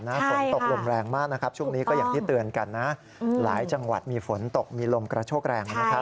ฝนตกลมแรงมากนะครับช่วงนี้ก็อย่างที่เตือนกันนะหลายจังหวัดมีฝนตกมีลมกระโชกแรงนะครับ